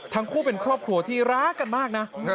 ทั้งคู่เป็นครอบครัวที่รักกันมากนะ